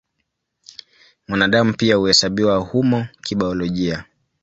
Mwanadamu pia huhesabiwa humo kibiolojia.